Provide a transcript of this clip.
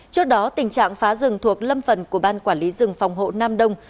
trước đó tình trạng phá rừng thuộc lâm phần của ban quản lý rừng phòng hộ nam đông